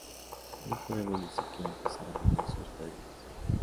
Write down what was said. No podemos ni siquiera empezar a medir sus perdidas.